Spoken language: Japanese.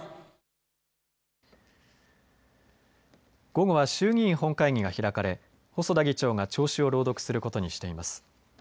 午後は衆議院本会議が開かれ細田議長が弔詞を朗読することにしています。